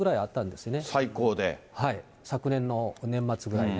昨年の年末ぐらいね。